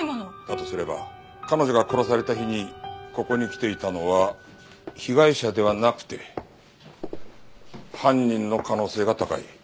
だとすれば彼女が殺された日にここに来ていたのは被害者ではなくて犯人の可能性が高い。